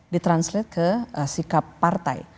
di translate ke sikap partai